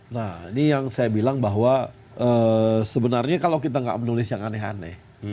nah ini yang saya bilang bahwa sebenarnya kalau kita nggak menulis yang aneh aneh